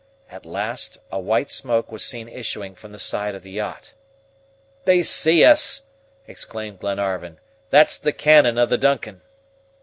At last a white smoke was seen issuing from the side of the yacht. "They see us!" exclaimed Glenarvan. "That's the cannon of the DUNCAN."